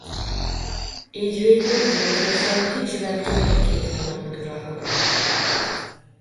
Így végül hivatalosan kicsivel több mint két hónapot uralkodott.